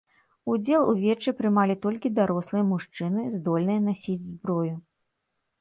Удзел у вечы прымалі толькі дарослыя мужчыны, здольныя насіць зброю.